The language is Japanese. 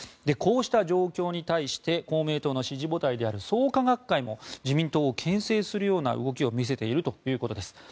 こうした状況に対して公明党の支持母体である創価学会も自民党をけん制するような動きを見せているということです。